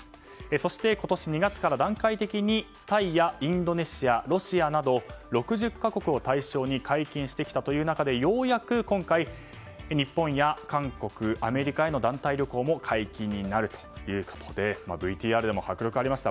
そして、今年２月から段階的にタイやインドネシア、ロシアなど６０か国を対象に解禁してきたという中でようやく今回日本や韓国アメリカへの団体旅行も解禁になるということでＶＴＲでも迫力ありました